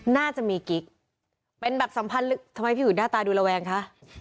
น่าจะมีกิ๊กเป็นแบบสัมพันธ์ลึกทำไมพี่อุ๋ยหน้าตาดูระแวงคะ